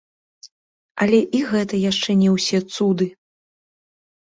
Але і гэта яшчэ не ўсе цуды.